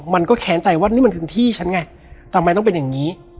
มันก็แค้นใจว่านี่มันคือที่ฉันไงทำไมต้องเป็นอย่างนี้